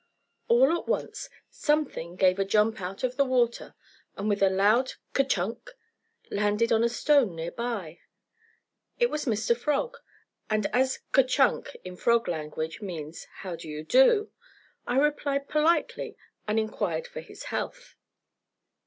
All at once something gave a jump out of the water and with a loud "kerchunk," landed on a stone near by. It was Mr. Frog, and as "kerchunk" in frog language means "how do you do?" I replied politely and inquired for his health.